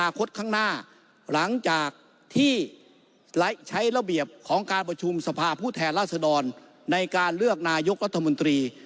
ข้างหน้าหลังจากที่ใช้ระเบียบของการประชุมสภาผู้แทนราษดรในการเลือกนายกรัฐมนตรี